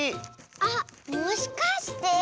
あっもしかして？